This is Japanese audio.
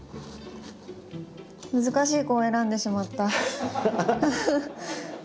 難しい子を選んでしまった。